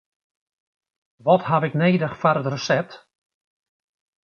Wat haw ik nedich foar it resept?